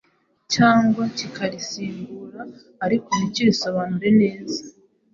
cyangwa kikarisimbura ariko ntikirisobanure neza;